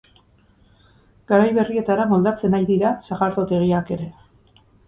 Garai berrietara moldatzen ari dira sagardotegiak ere.